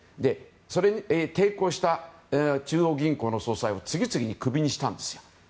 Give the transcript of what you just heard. それに抵抗した中央銀行の総裁を次々にクビにしたんですよ。